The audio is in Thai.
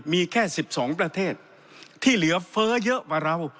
มีแค่๑๒ประเทศที่เหลือเฟ้อเยอะกว่าเรา